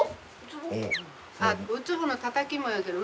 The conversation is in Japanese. ウツボのたたきもやけど